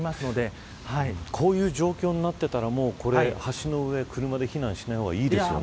こういう状況になっていたらこれ、橋の上を車で避難し難いですよね。